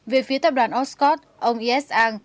về phía tập đoàn oscot ông yessang